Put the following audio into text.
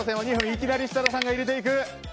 いきなり設楽さんが入れていく。